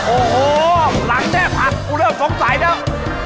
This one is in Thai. โอ้โหหลังแทบหักกูเริ่มสงสัยแล้ว